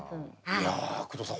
いや工藤さん